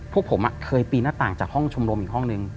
พวกผมเคยปีนหน้าต่างจากห้องชมรมอีกห้องนึง